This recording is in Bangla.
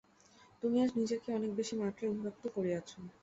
তুমি আজ নিজেকে অনেক বেশী মাত্রায় অভিব্যক্ত করিয়াছ।